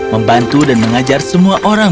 membantu dan mengajar semua orang